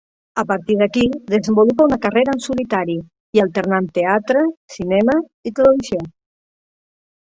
A partir d'aquí, desenvolupa una carrera en solitari alternant teatre, cinema i televisió.